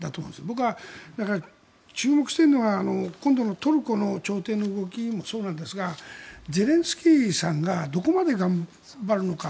僕は注目しているのは今度のトルコの調停の動きもそうなんですがゼレンスキーさんがどこまで頑張るのか